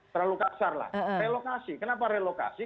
terlalu kasar lah relokasi kenapa relokasi